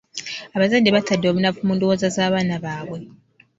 Abazadde batadde obunafu mu ndowooza z'abaana baabwe.